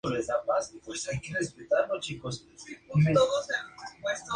Actualmente el distrito está representado por el Demócrata Bill Owens.